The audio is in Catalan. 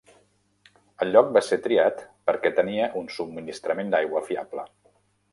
El lloc va ser triat perquè tenia un subministrament d'aigua fiable.